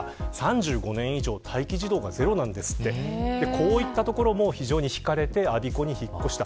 こういったところも非常にひかれて、我孫子に引っ越した。